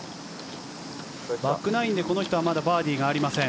バックナインでこの人はまだバーディーがありません。